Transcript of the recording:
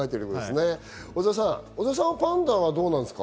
小澤さんはパンダはどうなんですか？